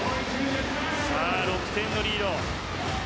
６点のリード。